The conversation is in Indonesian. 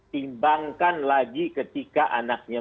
timbangkan lagi ketika anaknya